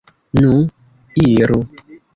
Nun iru!